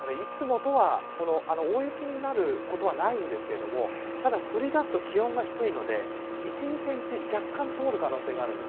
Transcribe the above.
ただ、大雪になることはないんですがただ降りだす気温が低いので１、２センチ、若干積もる可能性があります。